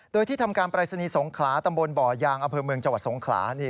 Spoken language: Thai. โดยที่ทำการปรายศนีย์สงขลาตำบลบ่อยางอำเภอเมืองจังหวัดสงขลานี่